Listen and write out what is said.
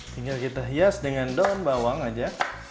tinggal kita hias dengan daun bawang aja